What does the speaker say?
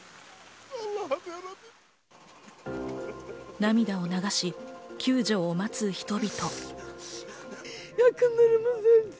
涙を流し救助を待つ人々。